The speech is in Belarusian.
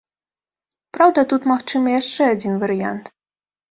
Праўда, тут магчымы яшчэ адзін варыянт.